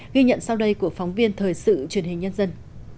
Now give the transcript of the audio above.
ghi nhận sau đây của phóng viên thời sự truyền hình nhân dân